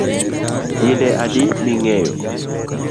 Dinde adi mingeyo